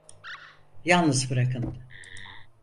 Yalnız bırakın.